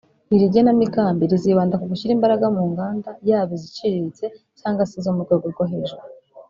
Iri genamigambi rizibanda ku gushyira imbaraga mu nganda yaba iziciriritse cyangwa se izo mu rwego rwo hejuru